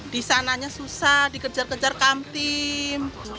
di sananya susah dikejar kejar kamtim